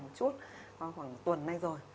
một chút khoảng một tuần nay rồi